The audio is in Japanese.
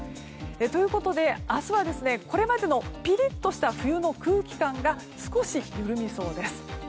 ということで明日はこれまでのピリッとした冬の空気感が少し緩みそうです。